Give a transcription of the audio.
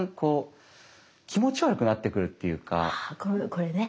これね。